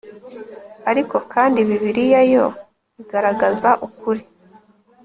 ariko kandi bibiliya yo igaragaza ukuri